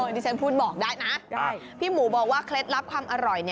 ดิฉันพูดบอกได้นะพี่หมูบอกว่าเคล็ดลับความอร่อย